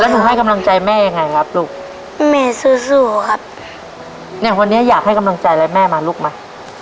หนูให้กำลังใจแม่ยังไงครับลูกแม่สู้สู้ครับเนี่ยวันนี้อยากให้กำลังใจอะไรแม่มาลูกไหม